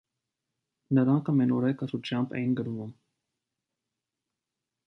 Նրանք ամենուրեք քաջությամբ էին կռվում։